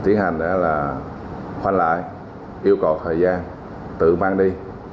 tiến hành là khoanh lại yêu cầu thời gian tự mang đi